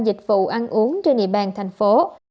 dịch vụ ăn uống trên địa bàn thành phố